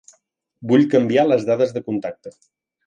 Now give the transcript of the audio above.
Vull canviar les dades de contacte.